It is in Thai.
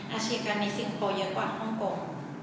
อาชีพกรรมในซิงโกปมีที่เยอะกว่าฮ่องกรม